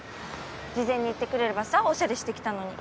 事前に言ってくれればさおしゃれしてきたのに。